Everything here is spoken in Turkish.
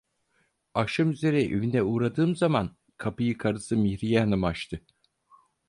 Akşamüzeri evine uğradığım zaman kapıyı karısı Mihriye hanım açtı.